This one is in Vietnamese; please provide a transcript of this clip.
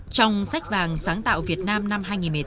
trong sách vàng sáng tạo việt nam năm hai nghìn một mươi tám